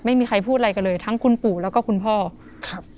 ไม่มีใครพูดอะไรกันเลยทั้งคุณปู่แล้วก็คุณพ่อครับ